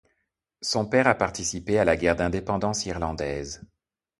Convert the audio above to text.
Son père a participé à la guerre d'indépendance irlandaise.